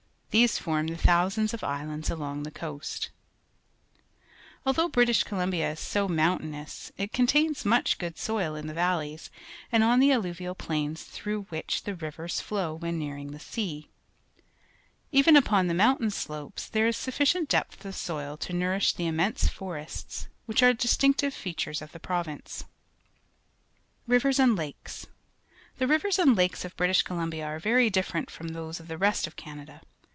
These form the thousands of islands along the coast. BRITISH COLUMBIA 117 Although British Columbia is so moun tainous, it contains m uch good soil in the va lleys and on the alluvial plains thi ough jthich the ri\'ers flow when nearing the sea. A Scene on the Skeena River, British Columbia Even upon the mountain slopes there is sufficient depth of soil to nourish the immense forests, which are distinctive features of the province. Rivers and Lakes. — The rivers and lakes of British Columbia are A'ery different from those of the rest of Canada.